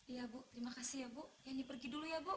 iya ibu terima kasih ya ibu